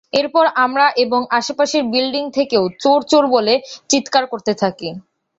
এরপর আমরা এবং আশপাশের বিল্ডিং থেকেও চোর চোর বলে চিৎকার করতে থাকি।